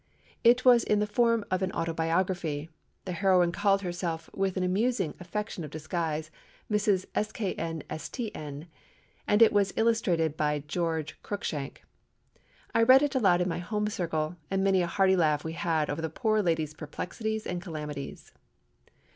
It was in the form of an autobiography; the heroine called herself, with an amusing affectation of disguise, Mrs. S k n s t n," and it was illustrated by George Cruikshank. I read it aloud in my home circle, and many a hearty laugh we had over the poor lady's perplexities and calamities.